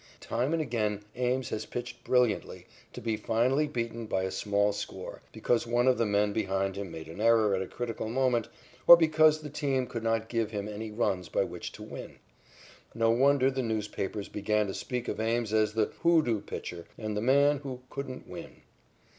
Time and again Ames has pitched brilliantly, to be finally beaten by a small score, because one of the men behind him made an error at a critical moment, or because the team could not give him any runs by which to win. No wonder the newspapers began to speak of Ames as the "hoodoo" pitcher and the man "who couldn't win."